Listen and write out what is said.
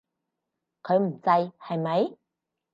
佢唔制，係咪？